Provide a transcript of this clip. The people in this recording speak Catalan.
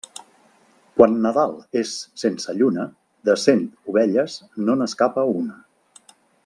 Quan Nadal és sense lluna, de cent ovelles no n'escapa una.